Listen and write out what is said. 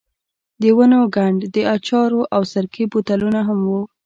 د ونو کنډ، د اچارو او سرکې بوتلونه هم وو.